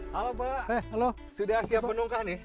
halo pak halo sudah siap menungkah nih